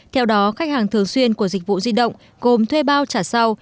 theo đó khách hàng thường xuyên của dịch vụ di động gồm thuê bao trả sau